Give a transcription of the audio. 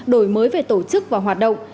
đổi mới về tổ chức và hoạt động